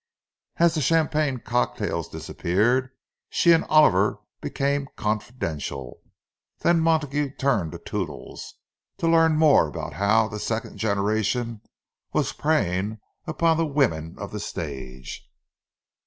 As the champagne cocktails disappeared, she and Oliver became confidential. Then Montague turned to Toodles, to learn more about how the "second generation" was preying upon the women of the stage.